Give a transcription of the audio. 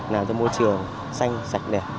làm cho môi trường xanh sạch đẹp